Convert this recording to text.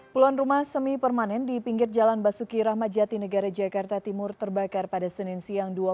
puluhan rumah semi permanen di pinggir jalan basuki rahmat jati negara jakarta timur terbakar pada senin siang